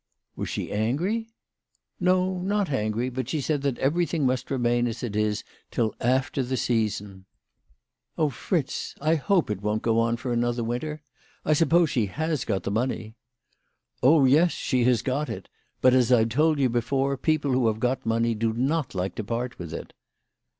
" Was she angry ?"" No ; .not angry ; bat she said that everything must remain as it is till after the season. Oh, Fritz ! F 66 WHY FEATJ FEOHMANN EAISED HEE PEICES. I hope it won't go on for another winter. I suppose she has got the money/' " Oh, yes ; she has got it ; but, as I've told you before, people who have got money do not like to part with it."